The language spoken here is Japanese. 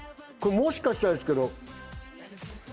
もしかしたらですけど。